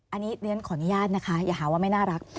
อันนี้เรียนขออนุญาตนะคะอย่าหาว่าไม่น่ารัก